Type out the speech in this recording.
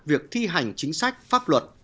việc thi hành chính sách pháp luật